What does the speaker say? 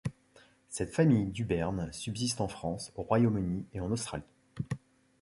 Cette famille Dubern subsiste en France, au Royaume-Uni et en Australie.